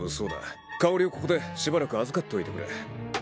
香織をここでしばらく預かっといてくれ。